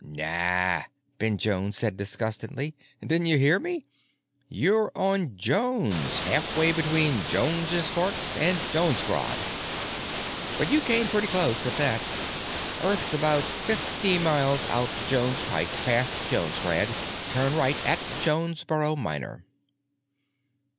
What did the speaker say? "Naw," Ben Jones said disgustedly. "Didn't you hear me? You're on Jones, halfway between Jones's Forks and Jonesgrad. But you came pretty close, at that. Earth's about fifty miles out the Jones Pike past Jonesgrad, turn right at Jonesboro Minor."